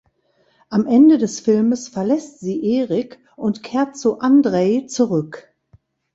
Am Ende des Filmes verlässt sie Eric und kehrt zu Andrej zurück.